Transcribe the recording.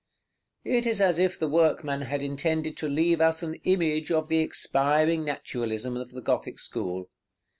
It is as if the workman had intended to leave us an image of the expiring naturalism of the Gothic school.